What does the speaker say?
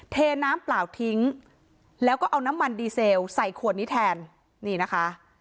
เทน้ำเปล่าทิ้งแล้วก็เอาน้ำมันดีเซลใส่ขวดนี้แทนนี่นะคะ